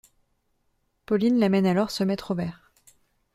Pauline l’emmène alors se mettre au vert.